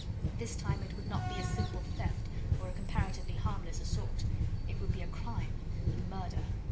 This time, it would not be a simple theft or a comparatively harmless assault; it would be a crime, a murder.